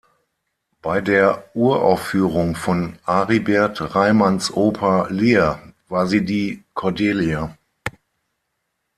Bei der Uraufführung von Aribert Reimanns Oper "Lear" war sie die Cordelia.